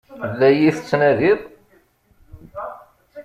La iyi-tettnadiḍ?